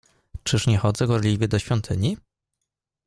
"Czyż nie chodzę gorliwie do świątyni?"